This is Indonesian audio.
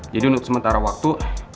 jadi untuk sementara waktu